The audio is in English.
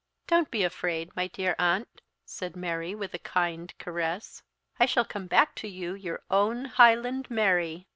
"Don't be afraid, my dear aunt," said Mary, with a kind caress; "I shall come back to you your own 'Highland Mary.'